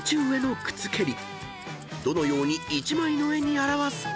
［どのように１枚の絵に表すか］